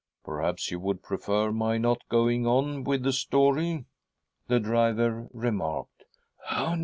" Perhaps you would prefer my not going on with the story ?" the driver remarked.